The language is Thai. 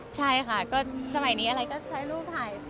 ใช่ค่ะก็สมัยนี้อะไรก็ใช้รูปถ่าย